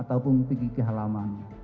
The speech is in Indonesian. ataupun pergi ke halaman